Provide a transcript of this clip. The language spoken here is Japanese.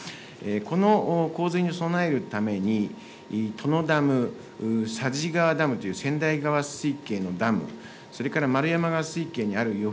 この洪水に備えるために、とのダム、佐治川ダムという千代川水系のダム、それからまるやま川水系にあるよ